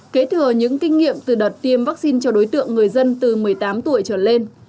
kế thừa những kinh nghiệm từ đợt tiêm vaccine cho đối tượng người dân từ một mươi tám tuổi trở lên